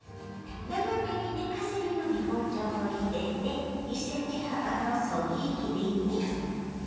斜めに寝かせるように包丁を入れて１ｃｍ幅のそぎ切りに。